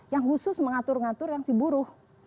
yang khusus mengatur ngatur yang si buruh